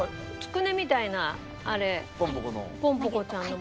つくねみたいなあれ。